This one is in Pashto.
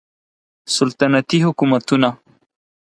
سلطنتي حکومتونه